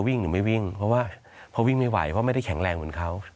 หรือไม่วิ่งเพราะว่าพอวิ่งไม่ไหวเพราะไม่ได้แข็งแรงเหมือนเขา